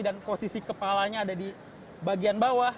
dan posisi kepalanya ada di bagian bawah